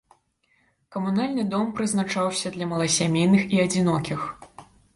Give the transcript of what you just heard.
Камунальны дом прызначаўся для маласямейных і адзінокіх.